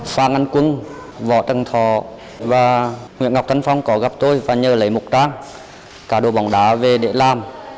phan anh quân võ tân thọ và nguyễn ngọc tân phong có gặp tôi và nhờ lấy một trang cá độ bóng đá về để làm